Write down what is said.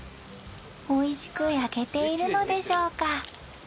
おいしく焼けているのでしょうか？